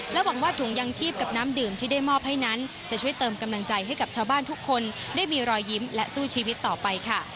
หวังว่าถุงยังชีพกับน้ำดื่มที่ได้มอบให้นั้นจะช่วยเติมกำลังใจให้กับชาวบ้านทุกคนได้มีรอยยิ้มและสู้ชีวิตต่อไปค่ะ